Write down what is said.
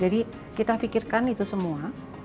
jadi kita pikirkan itu semua